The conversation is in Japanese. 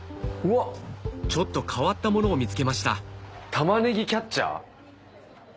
ちょっと変わったものを見つけましたたまねぎキャッチャー。